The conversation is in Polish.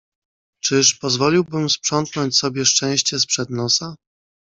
"Czyż pozwoliłbym sprzątnąć sobie szczęście z przed nosa."